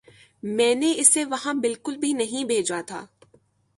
میں نے اسے وہاں بالکل بھی نہیں بھیجا تھا